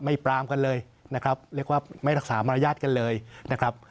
ปรามกันเลยนะครับเรียกว่าไม่รักษามารยาทกันเลยนะครับ